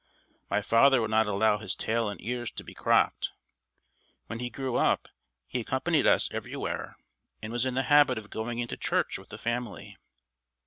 My father would not allow his tail and ears to be cropped. When he grew up, he accompanied us everywhere and was in the habit of going into church with the family.